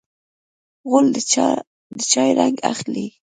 غول د چای رنګ اخلي.